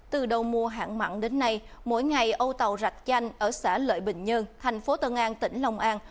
từ đầu mùa hạn mặn đến nay mỗi ngày âu tàu rạch chanh ở xã lợi bình nhơn thành phố tân an tỉnh long an